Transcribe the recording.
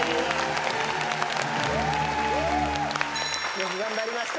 よく頑張りました。